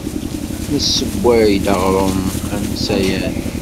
Nessewway-d aɣrum ansayan.